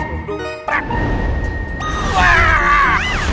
pecuk dung prap